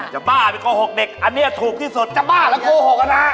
จะบ้ามีโครหกเด็กอันนี้ถูกที่สุดจะบ้าแล้วโครหกอะนะ